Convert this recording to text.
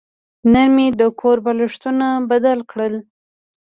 نن مې د کور بالښتونه بدله کړل.